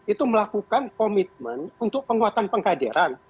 itu melakukan komitmen untuk penguatan pengkaderan